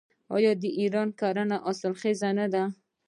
آیا د ایران کرنه حاصلخیزه نه ده؟